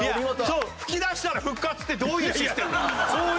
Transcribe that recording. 吹き出したら復活ってどういうシステムなの？